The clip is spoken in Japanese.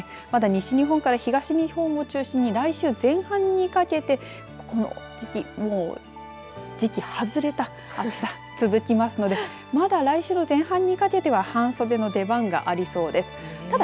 西日本から東日本を中心に来週前半にかけて、この時期外れた暑さが続きますのでまだ来週前半にかけては半袖の出番がありそうです。